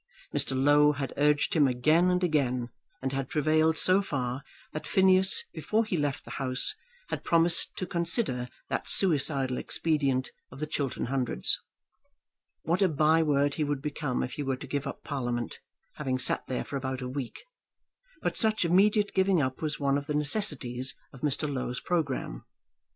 Mr. Low had urged him again and again, and had prevailed so far that Phineas, before he left the house, had promised to consider that suicidal expedient of the Chiltern Hundreds. What a by word he would become if he were to give up Parliament, having sat there for about a week! But such immediate giving up was one of the necessities of Mr. Low's programme.